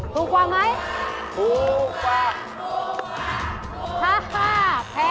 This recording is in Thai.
ถูกกว่าไหมถูกกว่าถูกกว่าถูกกว่าถูกกว่า